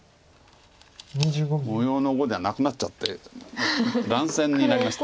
模様の碁じゃなくなっちゃって乱戦になりました。